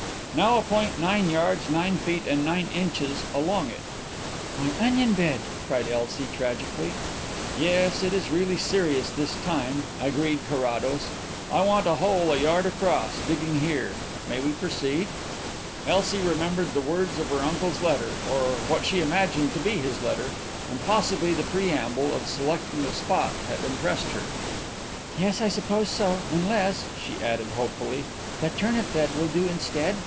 "Now a point nine yards, nine feet and nine inches along it." "My onion bed!" cried Elsie tragically. "Yes; it is really serious this time," agreed Carrados. "I want a hole a yard across, digging here. May we proceed?" Elsie remembered the words of her uncle's letter or what she imagined to be his letter and possibly the preamble of selecting the spot had impressed her. "Yes, I suppose so. Unless," she added hopefully, "the turnip bed will do instead?